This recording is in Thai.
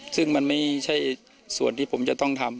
ซึ่งมันไม่ใช่ส่วนที่ผมจะต้องทำ